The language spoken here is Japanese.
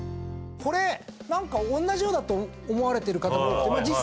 これ何かおんなじようだと思われてる方も多くて。